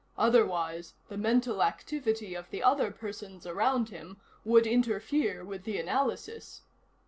Otherwise, the mental activity of the other persons around him would interfere with the analysis."